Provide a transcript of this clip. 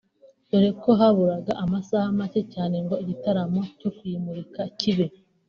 dore ko haburaga amasaha macye cyane ngo igitaramo cyo kuyimurika kibe